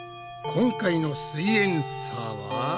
今回の「すイエんサー」は。